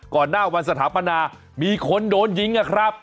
หน้าวันสถาปนามีคนโดนยิงนะครับ